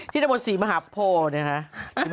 ที่นับมนตร์๔มหาโพธิ์เนี่ยนะฮะ